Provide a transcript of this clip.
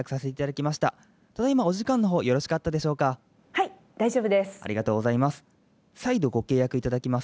はい大丈夫です。